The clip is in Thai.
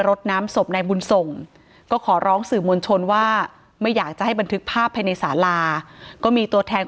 รถน้ำศพนายบุญส่งก็ขอร้องสื่อมวลชนว่าไม่อยากจะให้บันทึกภาพภายในสาราก็มีตัวแทน